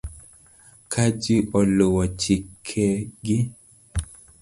Ka ji oluwo chikeg